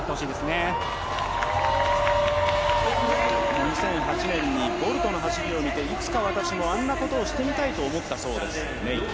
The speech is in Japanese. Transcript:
２００８年にボルトの走りを見ていつか私もあんなことをしてみたいと思ったそうです。